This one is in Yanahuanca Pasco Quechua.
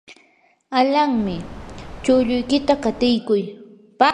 alanmi, chulluykita qatiykuy.